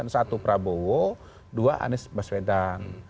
satu prabowo dua anies baswedan